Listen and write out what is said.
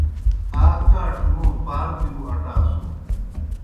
آ کاٹھہ موں پاردِیؤ اٹاسُن۔